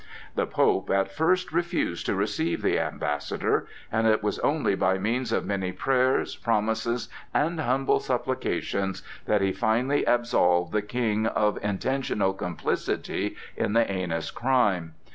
The Pope at first refused to receive the ambassador, and it was only by means of many prayers, promises, and humble supplications that he finally absolved the King of intentional complicity in the heinous crime.